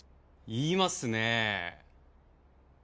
言いますねぇ。